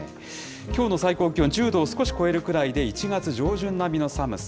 きょうの最高気温、１０度を少し超えるくらいで、１月上旬並みの寒さ。